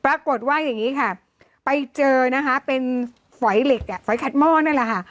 ปรากฏว่าอย่างนี้ค่ะไปเจอนะคะเป็นฝอยเหล็กอ่ะฝอยขัดหม้อนั่นแหละค่ะ